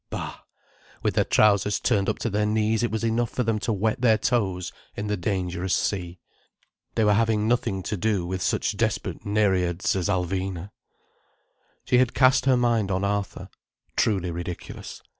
Bah, with their trousers turned up to their knees it was enough for them to wet their toes in the dangerous sea. They were having nothing to do with such desperate nereids as Alvina. She had cast her mind on Arthur. Truly ridiculous.